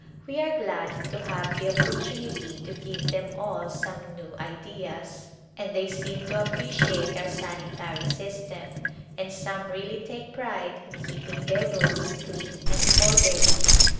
We are glad to have the opportunity to give them all some new ideas and they seem to appreciate our sanitary system, and some really take pride in keeping their rooms clean and orderly.